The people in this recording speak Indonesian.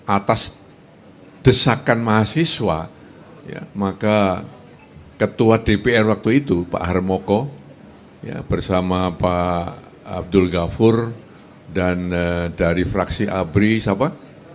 atas desakan mahasiswa maka ketua dpr waktu itu pak harmoko bersama pak abdul ghafur dan dari fraksi abri siapa